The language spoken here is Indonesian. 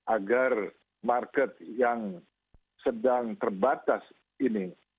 agar market yang sedang terbatas ini